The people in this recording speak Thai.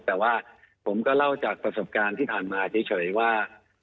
แต่ว่าผมก็เล่าจากประสบการณ์ที่ผ่านมาเฉยว่า